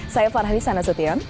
saya farhani sanasution